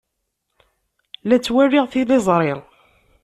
La ttwaliɣ tiliẓri.